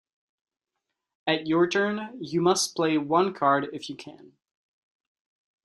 At your turn you must play one card if you can.